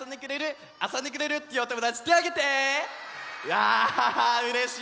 やうれしい！